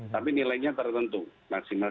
tapi nilainya tertentu maksimal